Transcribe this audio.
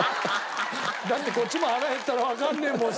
だってこっちも腹減ったらわかんねえもん